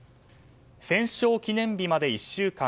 戦勝記念日まで１週間。